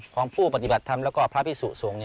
ของผู้ปฏิบัติธรรมแล้วก็พระพิสุสงฆ์